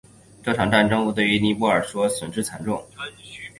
这场战争对于尼泊尔来说损失惨重。